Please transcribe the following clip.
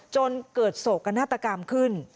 จนเกิดโศกนาฏกรรมขึ้น